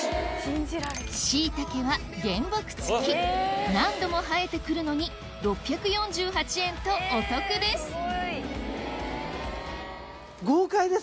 しいたけは原木付き何度も生えてくるのに６４８円とお得です